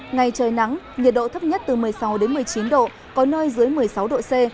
ngày trời nắng nhiệt độ thấp nhất từ một mươi sáu một mươi chín độ có nơi dưới một mươi sáu độ c